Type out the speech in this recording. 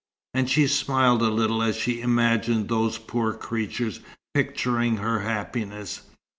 And she smiled a little as she imagined those poor creatures picturing her happiness.